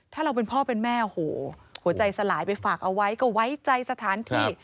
ถ้าเราเป็นพ่อเป็นแม่โอ้โหหัวใจสลายไปฝากเอาไว้ก็ไว้ใจสถานที่